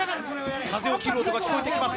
風を切る音が聞こえてきます。